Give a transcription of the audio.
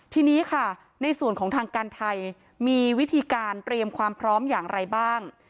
ทีนี้ค่ะในส่วนของทางการไทยมีวิธีการเตรียมความพร้อมอย่างไรบ้าง